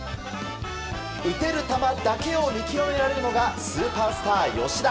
打てる球だけを見極められるのがスーパースター、吉田。